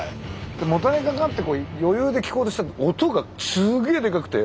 もたれかかって余裕で聴こうとしたら音がすげえでかくて。